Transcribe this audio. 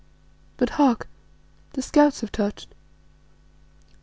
But hark! The scouts have touched."